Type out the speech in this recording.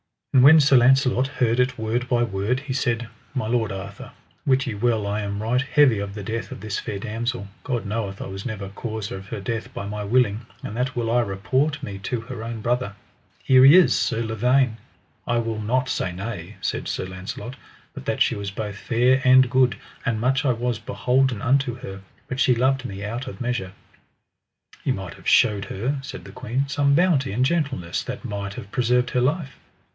And when Sir Launcelot heard it word by word, he said: My lord Arthur, wit ye well I am right heavy of the death of this fair damosel: God knoweth I was never causer of her death by my willing, and that will I report me to her own brother: here he is, Sir Lavaine. I will not say nay, said Sir Launcelot, but that she was both fair and good, and much I was beholden unto her, but she loved me out of measure. Ye might have shewed her, said the queen, some bounty and gentleness that might have preserved her life.